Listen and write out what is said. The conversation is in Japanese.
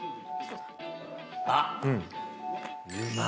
あっ！